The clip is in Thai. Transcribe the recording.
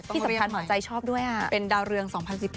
ที่สำคัญหมอใจชอบด้วยเป็นดาวเรือง๒๐๑๘